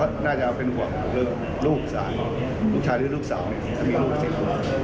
เพราะเขาน่าจะเป็นห่วงลูกสาวลูกชายหรือลูกสาวเนี้ยจะมีลูกเสียง